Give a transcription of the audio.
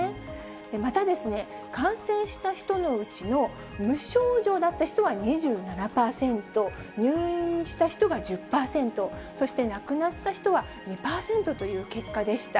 またですね、感染した人のうちの無症状だった人は２７％、入院した人が１０％、そして亡くなった人は２％という結果でした。